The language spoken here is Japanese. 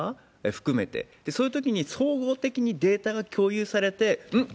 含めて、そういうときに総合的にデータが共有されて、うん？